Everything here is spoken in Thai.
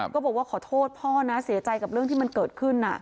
ก็บอกว่าขอโทษพ่อนะเสียใจกับเรื่องที่มันเกิดขึ้น